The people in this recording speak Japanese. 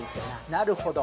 なるほど！